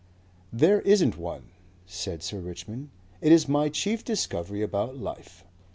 "There isn't one," said Sir Richmond. "It is my chief discovery about life.